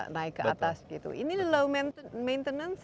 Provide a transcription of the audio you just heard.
naik ke atas gitu ini low maintenance